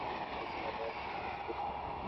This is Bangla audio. এবছর ও আমার ইংরেজি ক্লাসে রয়েছে।